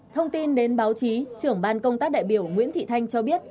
thông tin đến báo chí trưởng ban công tác đại biểu nguyễn thị thanh cho biết